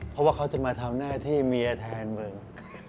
เพราะว่าเขาจะมาทำหน้าที่เมียแทนมึง